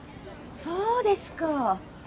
そうですか。